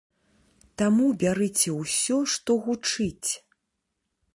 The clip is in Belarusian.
Таму бярыце ўсё, што гучыць!